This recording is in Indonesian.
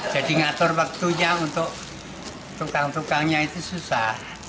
jadi ngatur waktunya untuk tukang tukangnya itu susah